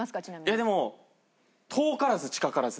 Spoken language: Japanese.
いやでも遠からず近からずです。